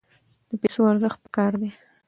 د پیسو ارزښت په کار کې دی.